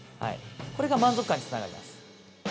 これが満足感につながります。